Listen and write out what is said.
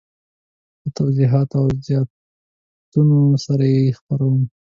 په توضیحاتو او زیاتونو سره یې خپروم.